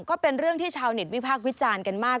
ก็เป็นเรื่องที่ชาวเน็ตวิพากษ์วิจารณ์กันมาก